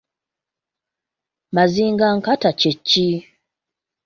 Mazingankata kye ki?